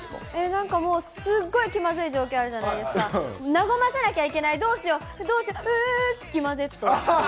なんかもう、すっごい気まずい状況、あるじゃないですか、和ませなきゃいけない、どうしよう、どうしよう、ううう、きまＺっていう。